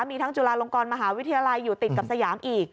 มีทั้งจุฬาลงกรมหาวิทยาลัยอยู่ติดกับสยามอีก